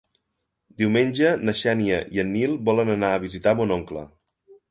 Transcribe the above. Diumenge na Xènia i en Nil volen anar a visitar mon oncle.